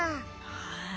はい。